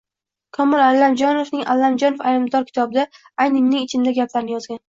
Komil Allamjonovning "Allamjonov aybdor" kitobida ayni mening ichimdagi gaplarni yozgan.